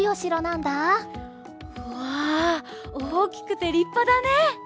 うわおおきくてりっぱだね！